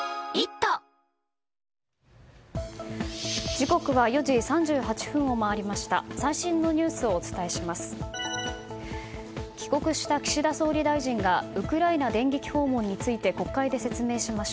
時刻は４時３８分を回りました。